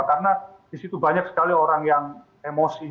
karena disitu banyak sekali orang yang emosi